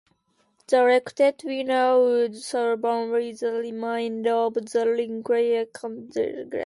The elected winner would serve only the remainder of the incumbent Congress.